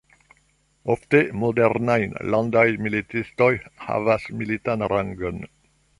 Ofte, modernaj landaj militistoj havas militan rangon.